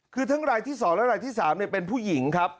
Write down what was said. คือทั้งรายที่๒และรายที่๓เป็นผู้หญิงครับ